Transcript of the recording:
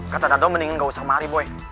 kata dado mendingan gak usah mari boy